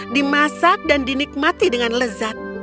dimasak dan dinikmati dengan lezat